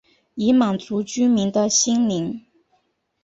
以满足居民的心灵